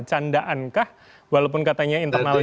candaankah walaupun katanya internal jokes